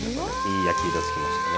いい焼き色が付きましたね。